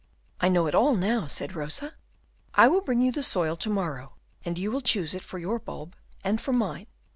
"I know it all now," said Rosa. "I will bring you the soil to morrow, and you will choose it for your bulb and for mine.